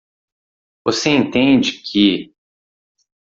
Você entende que?